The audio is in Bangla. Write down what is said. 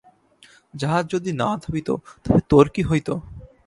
জাহাজ যদি না থামিত তবে তোর কী হইত?